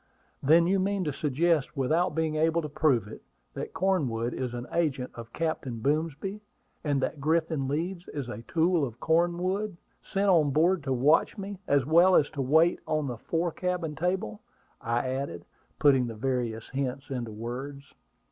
"Then you mean to suggest without being able to prove it that Cornwood is an agent of Captain Boomsby; and that Griffin Leeds is a tool of Cornwood, sent on board to watch me, as well as to wait on the fore cabin table," I added, putting the various hints into words.